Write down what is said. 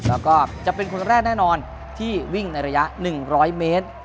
แล้วก็จะเป็นคนแรกแน่นอนที่วิ่งในระยะ๑๐๐เมตร